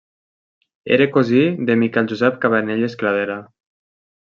Era cosí de Miquel Josep Cabanelles Cladera.